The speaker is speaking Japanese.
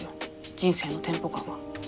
人生のテンポ感が。